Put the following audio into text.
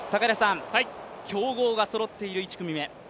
強豪がそろっている１組目です。